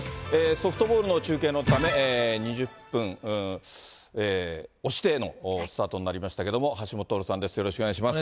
ソフトボールの中継のため、２０分押してのスタートになりましたけども、橋下徹さんです。